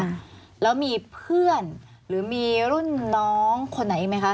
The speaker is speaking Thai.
อ่าแล้วมีเพื่อนหรือมีรุ่นน้องคนไหนอีกไหมคะ